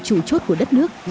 trụ chốt của đất nước